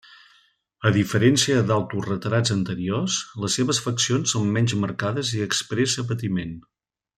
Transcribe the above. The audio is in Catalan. A diferència d'autoretrats anteriors, les seves faccions són menys marcades i expressa patiment.